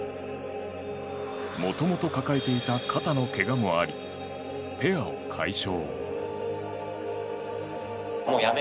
もともと抱えていた肩のけがもあり、ペアを解消。